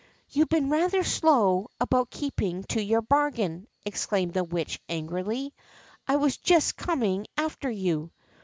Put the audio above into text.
You've been rather slow about keeping to your bargain!" exclaimed the Witch, angrily. was just coming after you."